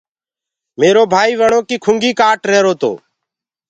ميرو ڀآئيٚ وڻو ڪي ڪُنگي ڪآٽ رهيرو تو۔